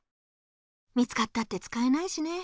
見つかったってつかえないしね。